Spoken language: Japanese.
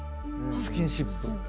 スキンシップ。